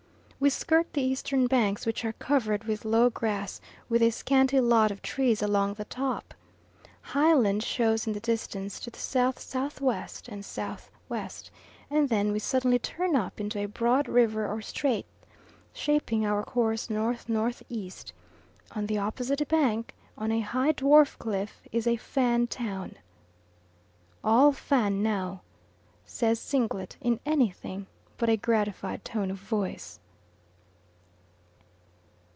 We skirt the eastern banks, which are covered with low grass with a scanty lot of trees along the top. High land shows in the distance to the S.S.W. and S.W., and then we suddenly turn up into a broad river or straith, shaping our course N.N.E. On the opposite bank, on a high dwarf cliff, is a Fan town. "All Fan now," says Singlet in anything but a gratified tone of voice.